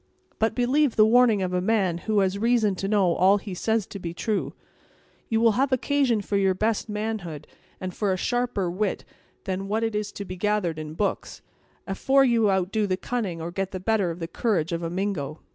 But believe the warning of a man who has reason to know all he says to be true. You will have occasion for your best manhood, and for a sharper wit than what is to be gathered in books, afore you outdo the cunning or get the better of the courage of a Mingo.